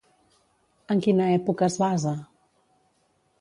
En quina època es basa?